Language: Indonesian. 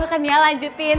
makan ya lanjutin